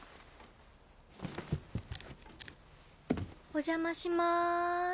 お邪魔します。